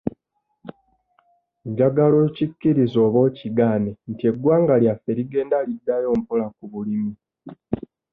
Njagala okikkiriza oba okigaane nti eggwanga lyaffe ligenda liddayo mpola ku bulimi.